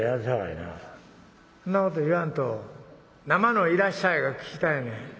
「そんなこと言わんと生の『いらっしゃい』が聞きたいねん。